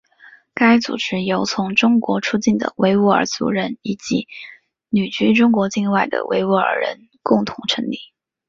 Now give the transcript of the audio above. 该组织由从中国出境的维吾尔族人以及旅居中国境外的维吾尔人共同成立。